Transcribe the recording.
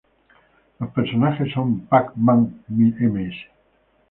Los personajes son Pac-Man, Ms.